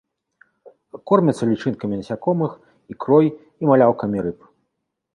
Кормяцца лічынкамі насякомых, ікрой і маляўкамі рыб.